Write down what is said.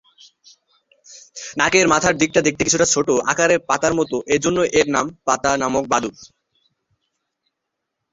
নাকের মাথার দিকটা দেখতে কিছুটা ছোট আকারের পাতার মতো, এ জন্যই এর নাম পাতা-নাক বাদুড়।